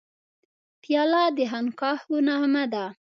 پیاله د خانقاهو نغمه ده.